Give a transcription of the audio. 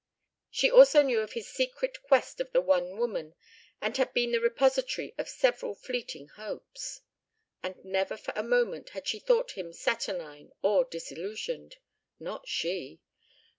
She also knew of his secret quest of the one woman and had been the repository of several fleeting hopes. And never for a moment had she thought him saturnine or disillusioned. Not she!